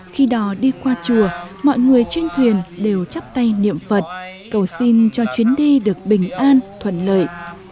khi đò đi qua chùa mọi người trên thuyền đều chắp tay niệm phật cầu xin cho chuyến đi được bình an thuận lợi